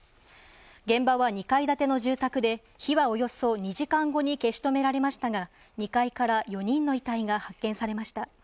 現場は２階建ての住宅で火はおよそ２時間後に消し止められましたが２階から４人の遺体が発見されました。